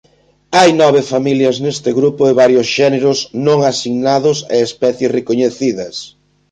Hai nove familias neste grupo e varios xéneros non asignados e especies recoñecidas.